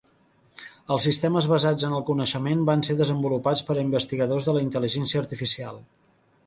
Els sistemes basats en el coneixement van ser desenvolupats per investigadors de la intel·ligència artificial.